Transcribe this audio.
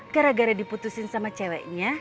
gara gara diputusin sama ceweknya